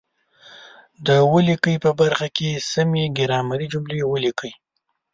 د ولیکئ په برخه کې سمې ګرامري جملې ولیکئ.